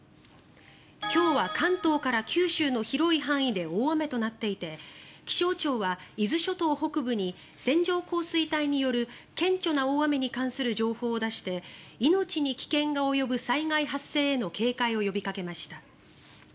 今日は関東から九州の広い範囲で大雨となっていて気象庁は伊豆諸島北部に線状降水帯による顕著な大雨に関する情報を出して命に危険が及ぶ災害発生への警戒を呼びかけました。